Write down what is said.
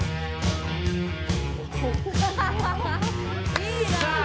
いいなあ！